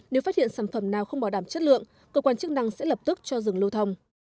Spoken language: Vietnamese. nếu phát hiện sản phẩm nào không bảo đảm chất lượng cơ quan chức năng sẽ lập tức cho dừng lưu thông